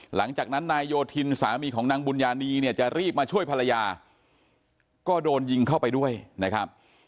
หลังจากนั้นนายโยธินสามีของนางบุญญานีเนี่ยจะรีบมาช่วยภรรยาก็โดนยิงเข้าไปด้วยนะครับ